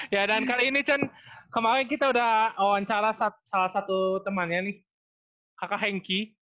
ya dan kali ini kemarin kita udah wawancara salah satu temannya nih kakak hengki